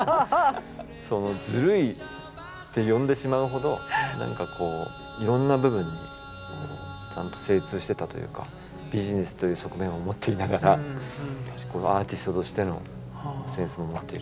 ずるいって呼んでしまうほど何かこういろんな部分にちゃんと精通してたというかビジネスという側面を持っていながらアーティストとしてのセンスも持っているという。